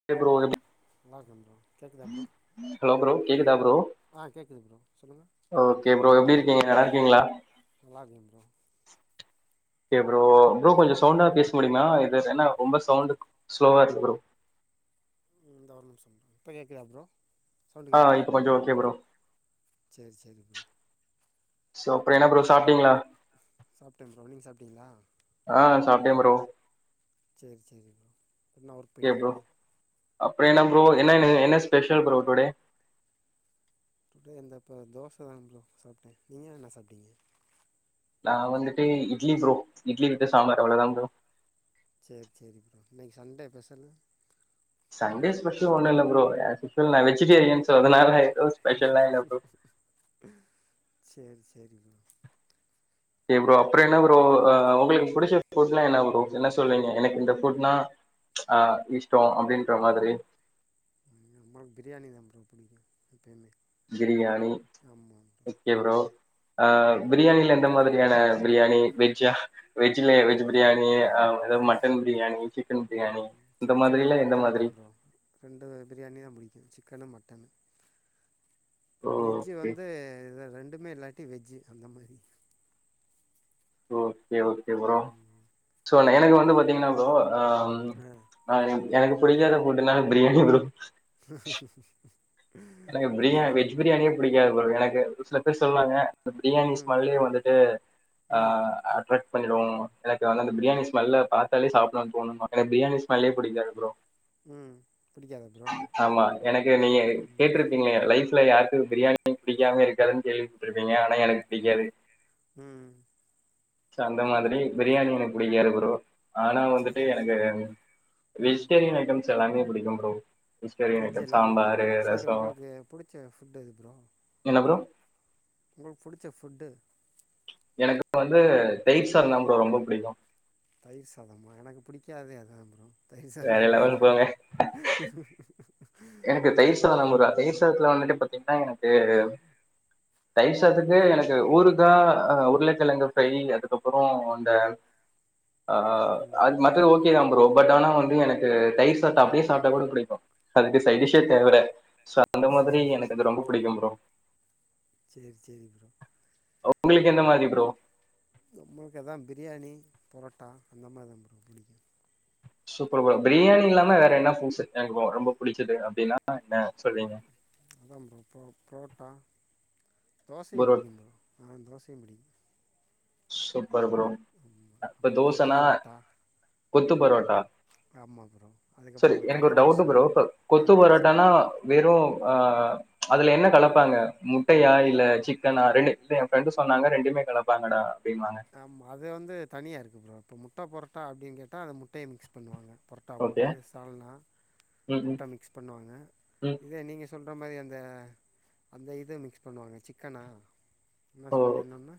[inaudible] நல்லா இருக்கே ப்ரோ கேக்குதா ப்ரோ ஹலோ ப்ரோ கேக்குதா ப்ரோ ஆ கேட்குது ப்ரோ சொல்லுங்கள் ஓகே ப்ரோ நல்லா எப்டி இருக்கீங்களா இருக்கீங்க நல்லா இருக்கீங்ளா நல்லா இருக்கேன் ப்ரோ [unintelligible] ஓகே ப்ரோ ப்ரோ கொஞ்ச சவுண்டா பேச முடியுங்ளா இது ஏனா ரொம்ப சவுண்டு ஸ்லோவா இருக்கு ப்ரோ தா ஒரு நிமிஷோ இப்ப கேக்குதா ப்ரோ சவுண்ட் ஆ கேக்தா இப்ப கொஞ்சோ ஓகே ப்ரோ சேரி சேரி ப்ரோ சோ அப்புற என்னா ப்ரோ சாப்டீங்ளா சாப்ட்டே ப்ரோ நீங்க சாப்ட்டீங்ளா ஆ சாப்ட்டே ப்ரோ சேர் சேரி என்ன ஒர்க் ஓகே ப்ரோ போயட்டுருக்கு அப்றோ என்ன ப்ரோ என்ன என்ன ஸ்பெஷல் ப்ரோ டுடே டுடே இந்த இப்போ தோச தா ப்ரோ சாப்ட்டே நீங்க என்ன சாப்ட்டீங்க நா வந்துட்டு இட்லி ப்ரோ இட்லி வித் சாம்பார் அவ்ளதா ப்ரோ சேரி சேரி இன்னைக்கு சண்டே பெசல்லு சண்டே ஸ்பெஷல் ஒண்ணு இல்ல ப்ரோ ஆக்சுவல் நா வெஜிடேரியன்ஸ் சோ அதனால ஸ்பெஷல்லா இல்ல ப்ரோ சேரி சேரிங் சரி ப்ரோ அப்றோ என்னா ப்ரோ ஆ உங்ளுக்கு புடிச்ச ஃபுட்னா என்ன ப்ரோ என்ன சொல்லுவீங்க எனக் இந்த புட்னா ஆ இஷ்டோ அப்டின்ற மாதிரி நம்ளுக்கு பிரியாணி தா ப்ரோ புடிக்கு எப்பயுமே பிரியாணி ஒகே ப்ரோ ஆ பிரியாணில எந்த மாதிரியான பிரியாணி வெஜ்ஜா வெஜ்ல வெஜ் பிரியாணி ஏதாவது மட்டன் பிரியாணி சிக்கன் பிரியாணி இந்த சிக்கனு மாதிரில எந்த மட்டன் மாதிரி தான் ரெண்டு வக பிரியாணி தா புடிக்கு சிக்கனு மட்டன் ஓ வெஜ்ஜூ ஓகே வந்து இத ரெண்டுமே இல்லாட்டி வெஜ்ஜு அந்த மாரி ஓகே ஓகே ப்ரோ ம் சோ எனக் வந்து பாத்தீங்கனா ப்ரோ ஆ ஆ எனக் புடிக்காத ஃபுட்னா பிரியாணி ப்ரோ எனக்கு அப்டி பிரியா சொல்றீங்க வெஜ் பிரியாணியே புடிக்காது ப்ரோ எனக்கு சில பேர் சொல்வாங்க இந்த பிரியாணி ம் ஸ்மெல்லயே வந்துட்டு அ ம் அட்ராக்ட பண்ணிடு எனக்கு வந்அந்த பிரியாணி ஸ்மெல்ல பாத்தாலே சாப்டதா தோணு எனக் பிரியாணி ஸ்மெல்லே புடிக்காது அப்புறம் ம் பிடிக்காதா ப்ரோ ஆமா எனக்கு நீ லைப்ல யாருக் பிரியாணி புடிக்காம இருக்காதுன்னு கேள்விபட்ருப்பீங்க ஆனா எனக் புடிக்காது உம் அந்த மாதிரி பிரியாணி எனக் புடிக்காது ப்ரோ ஆனா வந்துட்டு சேரி எனக்கு சேரி ப்ரோ ம் வெஜிடேரியன் ஐட்டம்ஸ் எல்லாமே புடிக்கும் ப்ரோ வெஜிடேரியன் வெஜ் ஐட்டம் எல்லாமே சாம்பாரு பிடிக்குமா சேரி ரசம் உங்களுக்கு புடிச்ச ஃபுட்டு எது ப்ரோ என்ன ப்ரோ உங்களுக்கு புடிச்ச ஃபுட்டு எனக்கு இப்ப வந்து தயிர் சாததா ப்ரோ ரொம்ப புடிக்கு தயிர் சாதமா எனக்கு புடிக்காதே அதா ப்ரோ தயிர் சாதொ வேற லெவல் போங்க [unintelligible] எனக்கு தயிர் சாதொ [unintelligible] தயிர் சாதத்துல வந்துட்டு பாத்தீங்னா எனக்கு தயிர் சாதத்துக்கு எனக்கு ஊருகா ஆ உருளக்கெழங்கு ஃப்ரை அதுக்கப்பறோ அந்த ஆ ம் அது மத்தது ஓகே தா ப்ரோ பட் ஆனா வந்து எனக்கு தயிர் சாதத்தா அப்டியே சாப்ட்டா கூட புடிக்கு அதுக்கு சைட் டிஷ்ஷே தேவக்கடையா சோ அந்த மாதிரி எனக்கு அது ரொம்ப புடிக்கும் ப்ரோ சேரி சேரி ப்ரோ உங்களுக்கு எந்த மாரி ப்ரோ நம்மளுக்கு அதா பிரியாணி பரோட்டா அந்த மாரிதா ப்ரோ புடிக்கு சூப்பர் ப்ரோ பிரியாணி இல்லாம வேற என்ன ஃபுட்ஸு எனக்கு ர ரொம்ப புடிச்சது அப்டின்னா என்ன சொல்வீ அதா ப்ரோ இப்ப ப்ரோட்டா தோசையும் புடிக்கும் ப்ரோ ஆ தோசையும் புடிக்கு சூப்பர் ப்ரோ இப்ப அப்பறொ கொத்து தோசனா பரோட்டா கொத்து பரோட்டா ஆமாம் ப்ரோ சரி அதுக்கப்புறம் அந்த எனக்கு கறி ஒரு டவுட்டு தோசை ப்ரோ இப்ப ஆ கொத்து சொல் பரோட்டானா வெறு ஆ அதுல என்ன கலப்பாங்க முட்டையா இல்ல சிக்கனா ரெண்டு ஏ ஃப்ரெண்டு சொன்னாங்க ரெண்டுமே கலப்பாங்கடா அப்டிம்பாங்க ஆமா அது வந்து தனியா இருக்கு ப்ரோ இப்ப முட்ட பொரட்டா அப்டின் கேட்டா அத முட்டையை மிக்ஸ் பண்ணுவாங்க பொரட்டா ஓகே போட்டு சாள்னா ம் ம் முட்ட மிக்ஸ் பண்ணுவாங்க ம் இதே நீங்க சொல்ற மாரி அந்த அந்த இது மிக்ஸ் பண்ணுவாங்க சிக்கனா என்ன ஓ சொன்னீங்க இன்னொன்னு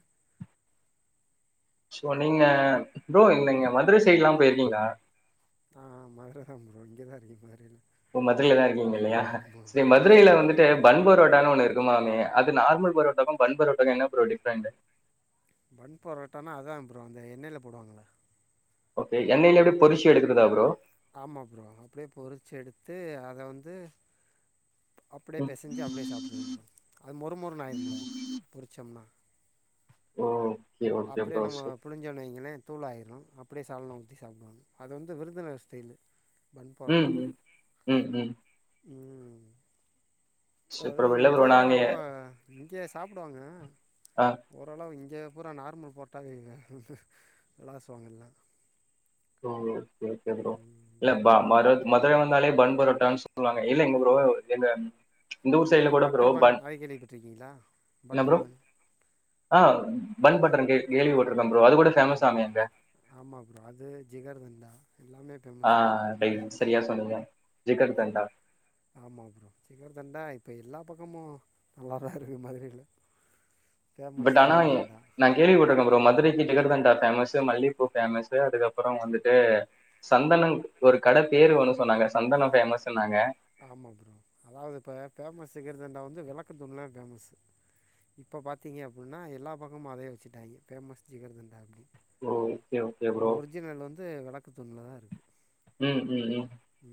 சோ நீங்க ப்ரோ இந்தங்க மதுர சைட்லா போயிருக்கீங்ளா ஆ மதுரதாம் ப்ரோ இங்கதா இருக்க மத்ரைல ஓ மதுரைலதா இருக்கீங்க இல்லையா சரி மதுரைல வந்துட்டு பன் பரோடான் ஒண்ணு இரு க்குமாமே அது நார்மல் பரோட்டாக்கு பன் பரோட்டாக்கு என்ன ப்ரோ டிஃப்ரண்ட்டு பன் பரோட்டனா அதா ப்ரோ அந்த எண்ணெய்ல போடுவாங்கள ஓகே எண்ணெய்லயே அப்டே பொறிச்சி எடுக்குறதா ப்ரோ ஆமா ப்ரோ அப்டியே பொறிச்சி எடுத்து அத வந்து அப்டியே ம் பெசஞ்சு அப்டியே சாப்புட்றது ப்ரோ அது மொறு மொறுன் ஆயிரும்ல பொரிச்சோம்னா ஓகே ஓகே அப்டியே ப்ரோ நம்ம சூப் புழிஞ்சோன்னு வைங்கள தூள் ஆய்ரு அப்டியே சால்னா ஊத்தி சாப்டுவாங் அது வந்து விருதுநகர் ஸ்டைலு பன் ம் பரோட்டாலா ம் ம் ம் ம் ப்ர அதா சூப்பர் ப்ரோ இல்ல ப்ரோ இங்கயே நாங்க அவ்ளோ இங்கயே சாப்டுவாங்க ஆ ஓரளவு இங்கே பூரா நார்மல் போட்டா வ்ளாசுவாங்கல்ல ஓ ஓகே ஓகே ப்ரோ ம், இல்ல ப மர மதுரை வந்தாலே பன் பரோட்டான் சொல்லுவாங்க இல்ல எங்க ப்ரோ எங்க இந்த ஊர் அப்பறொ சைட்ல அந்த கூட ப்ரோ பட்டர் பன் அத கேள்விப்பட்ருக்கீங்ளா என்ன ப்ரோ பட்டர் பன் ஆ பன் பட்டர் கே கேள்வி பட்ருக்கம் ப்ரோ அதுக் கூட ஃபேமஸாமே ம் ஆமா ப்ரோ அது ஜிகர் தண்டா எல்லாமே ஆ ஃபேமஸ்தா ரைட் சரியா சொன்னீங்க ஜிகர்தண்டா ஆமா ப்ரோ ஜிகர்தண்டா இப்ப எல்லா பக்கமு நல்லாதா இருக்கற மாதிரி இல்ல பட் ஆனா நா கேள்வி பட்ருக்க ப்ரோ மதுரைக்கு ஜிகிர் தண்டா ஃபேமஸு மல்லிப்பூ ஃபேமஸு அதுக்கப்புற வந்துட்டு சந்தனம் ஒரு கட பேர் ஒன்னு சொன்னாங்க சந்தன ஃபேமஸுன்னாங்க ஆமா ப்ரோ அதாவது இப்ப ஃபேமஸ் ஜிகர்தண்டா வந்து வெளக்கந்தூண்ல ஃபேமஸு இப்ப பாத்திங்க அப்புன்னா எல்லா பக்கமு அதே வெச்சுட்டாய்க ஃபேமஸ் ஜிகர் தண்டா அப்டின்னு ஓ ஓகே ஓகே ப்ரோ ஒரிஜினல் வந்து வெளக்கத்தூண்லதா இருக்கு ம் ம் ம் கு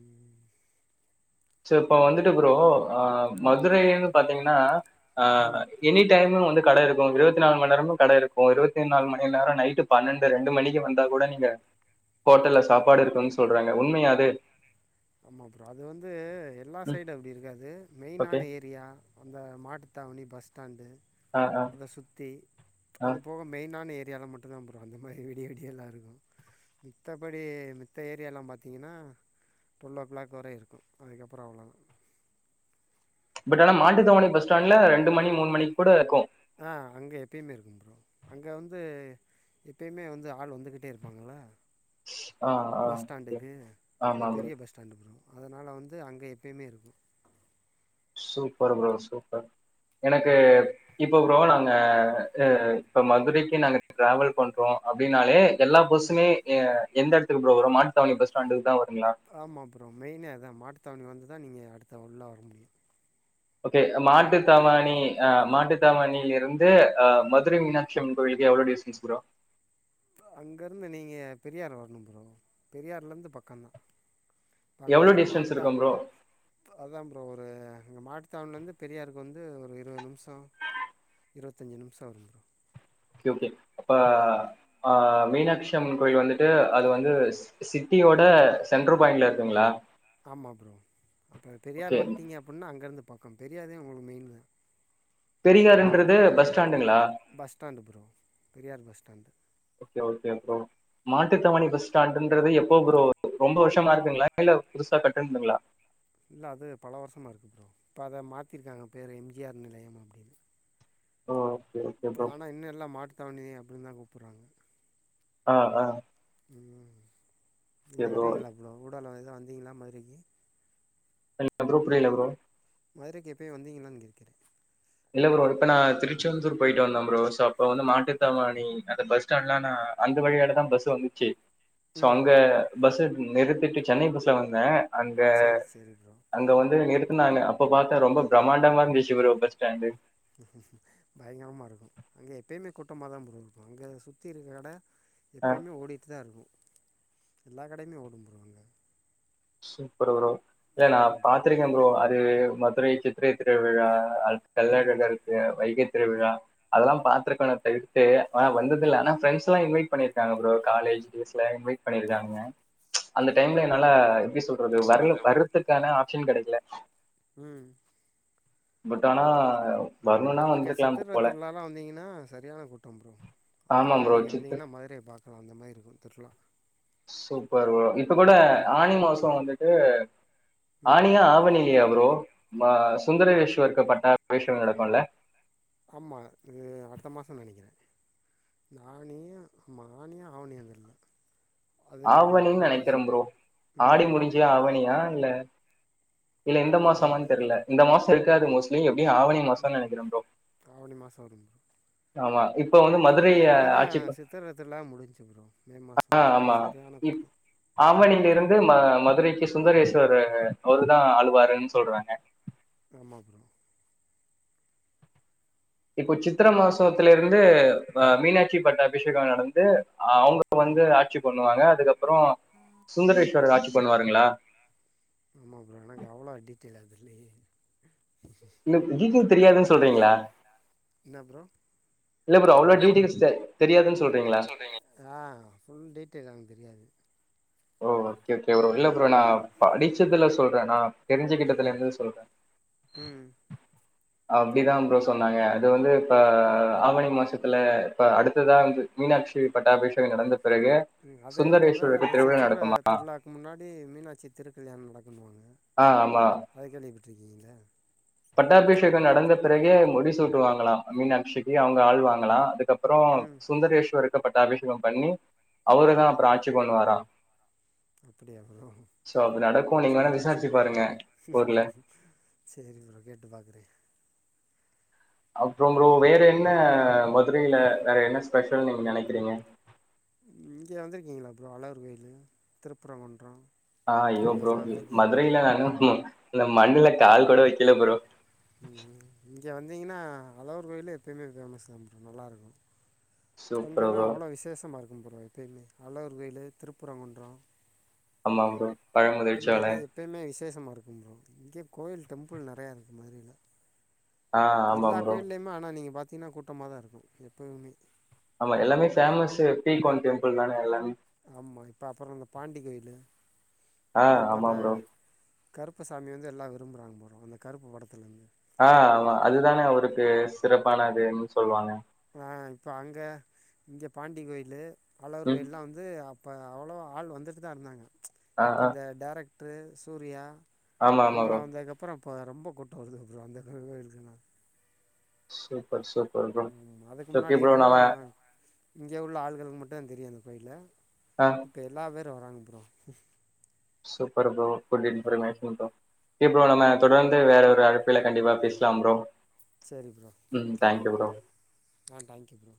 சேர் இப்ப வந்துட்டு ப்ரோ அ ம் மதுரைனு பாத்திங்னா அ ம் எனி டைமு வந்து கடை இருக்கு இருபத்தி நாலு மண்நேரமு கடை இருக்கு இருபத்தி நாலு மணி நேர நைட்டு பன்னெண்டு ரெண்டு மணிக்கு வந்தா கூட நீங்க ஹோட்டல்ல சாப்பாடு இருக்குன்னு சொல்றாங்க உண்மையா அது ஆமா ப்ரோ அது வந்து எல்லா ம் சைடு அப்படி இருக்காது ஓகே மெயினான ஏரியா அந்த மாட்டுத்தாவணி பஸ் ஸ்டாண்டு ஆ ஆ அத சுத்தி ஆ அது போக மெயினான ஏரியால மட்டுந்தா ப்ரோ அந்த மாரி விடிய விடிய எல்லா இருக்கு மித்தபடி மத்த ஏரியாலா பாத்திங்கன்னா டுவெல் ஓ கிளாக் வரை இருக்கு அதுக்கப்புற அவ்ளதா பட் ஆனா மாட்டு தவணி பஸ் ஸ்டாண்ட்ல ரெண்டு மணி மூனு மணிக் கூட இருக்கு ஆ அங்க எப்பயுமே இருக்கும் ப்ரோ அங்க வந்து எப்பயுமே வந்து ஆளு வந்து கிட்டே இருப்பாங்களா ஆ ஆ பஸ் ஓகே. ஸ்டாண்டுக்கு அது ஆமா ப்ரோ பெரிய பஸ் ஸ்டேண்டு ப்ரோ அதனால வந்து அங்க எப்பயுமே இருக்கு சூப்பர் ப்ரோ சூப்பர் எனக்கு இப்ப ப்ரோ நாங்க அ இப்ப மதுரைக்கு நாங்க ட்ராவல் பண்றோ அப்டின்னாலே எல்லா ம் பஸ்ஸுமே எ எந்த இடத்துக்கு ப்ரோ வரு மாட்டுத்தவணி பஸ் ஸ்டாண்டுக்குதா வருங்ளா ஆமா ப்ரோ மெயினே அதா மாட்டுத்தவணி வந்துதா நீங்க அடுத்த உள்ள வர முடியு ஓகே மாட்டு தாவணி ஆ மாட்டு தாவணிலருந்து அ மதுரை மீனாட்சி அம்மன் கோவிலுக்கு எவ்ள டிஸ்டன்ஸ் ப்ரோ அங்க இருந்து நீங்க பெரியார் வரணு ப்ரோ பெரியார்ல இருந்து பக்கந்தா அங்க எவ்ளோ டிஸ்டன்ஸ் மாட்டுத்தா இருக்கு ப்ரோ அதா ப்ரோ ஒரு அங்க மாட்டுத்தாவணில இருந்து பெரியாருக்கு வந்து ஒரு இருவது நிமிஷ இருபத்தஞ்சு நிமிச ஆகும் ப்ரோ ஓகே ஓகே அப்ப அ மீனாட்சி அம்மன் கோயில் வந்துட்டு அது வந்து சிட்டியோட சென்ட்ரு பாயிண்ட்ல இருக்குங்ளா ஆமா ப்ரோ அப்ப பெரியார் வன்ட்டிங்க அப்புன்னா அங்க இருந்து பக்க பெரியாரே உங்களுக்கு மெயின்தா பெரியார்ன்றது பஸ் ஸ்டாண்டுங்களா bus stand bro Periyar bus stand okay okay bro Mattuthavani bus ஸ்டாண்டுன்றது எப்போ ப்ரோ ரொம்ப வருஷமா இருக்குங்ளா இல்ல புதுசா கட்டுனதுங்ளா இல்ல அது பல வருஷமா இருக்கு ப்ரோ இப்ப அத மாத்திருக்காங்க பேர் எம் ஜி ஆர் நிலையம் அப்டின்னு ஓகே ஓகே ப்ரோ ஆனா இன்னு எல்லா மாட்டு தாவணி அப்படின்தா கூப்பர்றாங்க ஆ ஆ ம் நீங்க ஓகே ப்ரோ வருவீங்களா இ்வ்ளோகூடாலா எதவு வந்தீங்களா மதுரைக்கி இல்ல ப்ரோ புரிய ப்ரோ மதுரைக்கு எப்பயு வந்திங்களான்னு கேக்கறே இல்ல ப்ரோ இப்போ நா திருச்செந்தூர் போயிட்டு வந்த ப்ரோ சோ அப்போ வந்து மாட்டுத்தாவாணி அந்த பஸ் ஸ்டாண்ட்ல்லா நா அந்த வழியாடதா பஸ்ஸு வந்துச்சு சோ ம் அங்க பஸ்ஸு நிறுத்திட்டு சென்னை பஸ்ல வந்தே சரி சரி ப்ரோ அங்க அங்க வந்து நிறுத்துனாங்க அப்ப பாத்த ரொம்ப பிரம்மாண்டமா இருந்துச்சு ப்ரோ பஸ் ஸ்டாண்டு பயங்கரமாகருக்கு அங்கே எப்பேயுமே கூட்டமாக தா ப்ரோ இருக்கு அங்க சுத்திருக்குற கட ஆ எப்பேயுமே ஓடிட்டு தா இருக்கு எல்லா கடையுமே ஓடு ப்ரோ அங்க சூப்பரு ப்ரோ இல்ல நா பாத்திருக்கே ப்ரோ அது மதுரை தி சித்திரை திருவிழா அ ம் கள்ளழகருக்கு வைகை திருவிழா அதெல்லா பாத்துருக்கானு [unintelligible] ட்டு ஆன வந்ததுல்ல ம் ஆனா ஃப்ரெண்ட்ஸ்ல்லா இன்வைட் பண்ணிருக்காங்க ப்ரோ காலேஜ் டேஸ்ல இன்வைட் பண்ணியிருக்காங்க அந்த சரி டைம்ல ப்ரோ என்னால எப்பிடி சொல்றது வரல வர்றதுக்கான ஆப்ஷன் கெடைக்கல ம் பட் ஆனா வரணும்னா இங்கே வந்திருக்கலாம் ப்ரோ. சித்திர திருவிழால்லா வந்தீங்கன்னா சரியான கூட்டம் ப்ரோ ஆமா அதுதா ப்ரோ. நீங்க சித்து வந்தீங்கன்னா மதுரைய பாக் அ அந்த மாதிரி இருக்கு திருவிழா சூப்பர் ப்ரோ இப்ப கூட ஆணி ம் மாசோ வந்துட்டு ம் ஆனியா ஆவணி யா ப்ரோ சுந்தரவேஷுவருக்கு பட்டா அபிஷேகோ நடக்குல்ல ஆமா இது அடுத்த மாசோ நெனைக்கிறே இந்த ஆனியா ம்மா ஆனியா அவணியா தெர்ல ஆவணின் நெனைக்கிறே ப்ரோ ஆடி ம் முடிஞ்சு ஆவணியா இல்ல இல்ல இந்த அவ மாசமனு தெர்ல இந்த மாசோ இருக்காது மோஸ்ட்லி நீங்க எப்டியு ஆவணி மசோ ம் நெனைக்கிறே ப்ரோ ஆவணி மாசோ வருது ப்ரோ ஆமா இப்போ வந்து மதுரை இது இப்பதா ஆட்சி சித்தர திருவிழா முடிஞ்சு ப்ரோ மே மாஸ் ம் அங்க சரியான கூட்டோ ஆவணிலருந்து ம மதுரைக்கி சுந்தரேஸ்வர் அவர்தா ஆழுவாருன்னு சொல்றாங்க ஆமா ப்ரோ இப்போ சித்திர மாசத்தலேருந்து அ மீனாட்சி பட்டாபிஷேகோ நடந்து அவுங்க ம் வந்து ஆட்சி பண்ணுவாங்க அதுக்கப்புற சுந்தரேஸ்வர ஆட்சி பண்ணுவாங்களா ஆமா ப்ரோ எனக்கு அவ்ளோ டீடையில்லா தெர்லயே உஙக்ளுக்கு டீடைல் தெரியாதுன்னு சொல்றீங்களா என்ன ப்ரோ இல்ல ப்ரோ அவ்ளோ இல்ல டீடையல்ஸ் தெரியாதுன் சொல்ற ஆ ஃபுல் டீடைல் எனக்கு தெரியாது ஓ ஓகே ஓகே ப்ரோ இல்ல ப்ரோ நா ம் படிச்சதுல சொல்றே நா தெரிஞ்சுகிட்டத்துலருந்து சொல்றே ம் அப்படிதா ப்ரோ சொன்னாங்க அது வந்து இப்ப ஆவணி மாசத்துல இப்ப அடுத்ததா வந்து மீனாட்சி பட்டாபிஷேகம் நடந்த பெறகு ம் அதே மொத அந்த சித் திர திருவிழாவுக்கு முன்னாடி மீனாட்சி திருக்கல்யாணோ நடக்கனுவாங்க ஆ ஆமா. அது கேள்வி பட்டுருக்கீங்களா பட்டாபிஷேகம் நடந்த பெறகே அ முடி சூட்டு வாங்கலா மீனாட்சிக்கு அவுங்க ஆழ் வாங்கலா அதுக்கப் அப்றோ ம் சுந்தரேஸ்வர்க்க பட்ட அபிஷேகம் பண்ணி அவருதா அப்புறோ ஆட்சி பண்ணுவாரா அப்டியா ப்ரோ நடக்கும். நீங்க வேணா சேரி விசாரிச்சு சேரி பாருங்க ஊர்ல. சேரி ப்ரோ கேட்டு பாக்குறே அப்புறோ ப்ரோ வேற என்ன மதுரையில வேற என்ன ஸ்பெஷல்னு நீங்க நெனைக்கிறீங்க இங்கே வந்திருக்கீங்களா ப்ரோ அழகர் கோயிலு திருப்பரம்ங்குன்றோ ஆ இய்யோ ப்ரோ மதுரைல்ல நாங்க மண்ணுல கால் கூட வைக்கல ப்ரோ ம் ம் இங்கே வந்திங்கன்னா அழகர் கோயிலு எப்பயுமே ஃபேமஸ் தா ப்ரோ நல்லாருக்கு அங்கல்லாம் அவ்வளோ சூப்பர் அங்கல்லா ப்ரோ அவ்ளோ விசேஷமா இருக்கு ப்ரோ எப்பயுமே அழகர்ர் கோயிலு திருப்பரங்குன்றோ ஆமா ப்ரோ பழமுதிர்ச்சோலை இங்கெல்லா எப்போயுமே விசேஷமா இருக்கு ப்ரோ இங்கே கோவில் டெம்பிள் நெறையா இருக்கு மாதுரையில ஆ ஆமா எல்லா ப்ரோ கோயிலயுமே ஆனா நீங்க பாத்தீங்கன்னா கூட்டமாதா இருக்கு எப்பயுமே ஆமா எல்லாமே ஃபேமஸ்ஸு பிகன் டெம்பிள் தானே எல்லாமே ஆமா இப்ப அப்றோ அந்த பாண்டி கோயிலு ஆ அதுவு இப்ப ஆமா அந்த ப்ரோ கருப்பு சாமி வந்து எல்லா விரும்புராங்க ப்ரோ அந்த கருப்பு படத்துலேருந்து ஆ அதுதானே அவருக்கு சிறப்பான அதுன்னு சொல்லுவாங்க ஆ இப்போ அங்கே இங்கே பாண்டி கோயிலு அழகர் ம் கோயில்லா வந்து இப்ப அவ்ளவ ஆள் வந்துட்டு தா இருந்தாங்க ஆ இப்ப ஆ இந்த டேரக்டரு சூர்யா ஆமா ஆமா ப்ரோ அவங்களா வந்ததுக்கப்புறோ இப்ப ரொம்ப கூட்டம் வருது ப்ரோ அந்த கோயிலுக்கு நா சுப்பர் சுப்பர் ப்ரோ ம் அதுக்கு ஓகே முன்னாடி ப்ரோ புரா நம்ம இங்கே உள்ள ஆள்களுக்கு மட்டுதா தெரியு அந்த கோயிலு ஆ இப்ப எல்லா பேரு வராங்க bro super bro full information bro K bro நம்ம தொடர்ந்து வேற ஒரு அழைப்பில கண்டிப்பா பேசலா ப்ரோ சேரி ப்ரோ ம் ஓகே ப்ரோ தேங்க்யூ ஆ தேங்க் யூ ப்ரோ